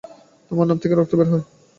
আমার নাক থেকে রক্ত বের হয়।